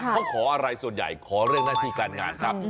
เขาขออะไรส่วนใหญ่ขอเรื่องหน้าที่การงานครับ